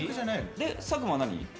で佐久間は何？